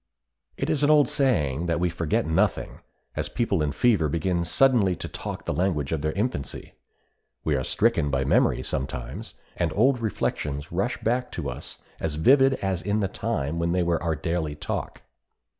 It is an old saying that we forget nothing, as people in fever begin suddenly to talk the language of their infancy. We are stricken by memory sometimes, and old reflections rush back to us as vivid as in the time when they were our daily talk.